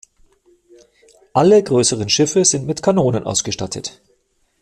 Alle größeren Schiffe sind mit Kanonen ausgestattet.